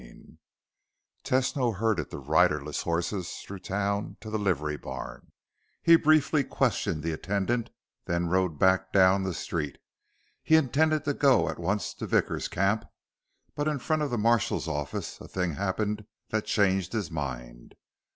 XXI Tesno herded the riderless horses through town to the livery barn. He briefly questioned the attendant, then rode back down the street. He intended to go at once to Vickers' camp; but in front of the marshal's office, a thing happened that changed his mind.